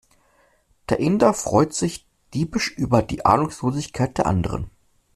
Der Inder freut sich diebisch über die Ahnungslosigkeit der anderen.